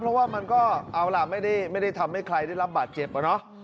เพราะว่ามันก็เอาล่ะไม่ได้ทำให้ใครได้รับบาดเจ็บอะเนาะ